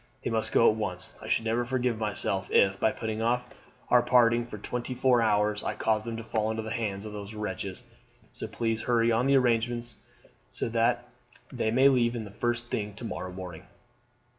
They must go at once. I should never forgive myself if, by putting off our parting for twenty four hours, I caused them to fall into the hands of these wretches; so please hurry on all the arrangements so that they may leave the first thing to morrow morning."